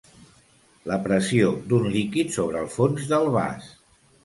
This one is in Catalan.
La pressió d'un líquid sobre el fons del vas.